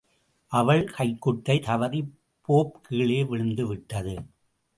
அவன் கைக்குட்டைதவறிப் போப் கீழே விழந்து விட்டது.